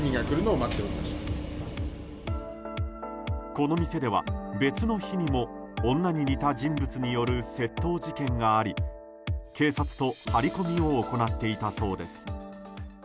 この店では、別の日にも女に似た人物による窃盗事件があり、警察と張り込みを行っていたそうです。